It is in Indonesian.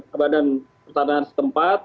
kebadan pertanahan setempat